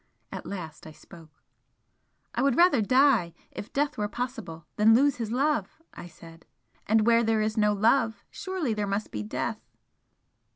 At last I spoke "I would rather die, if death were possible, than lose his love" I said "And where there is no love, surely there must be death?"